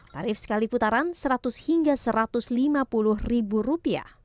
tarif sekali putaran seratus hingga satu ratus lima puluh ribu rupiah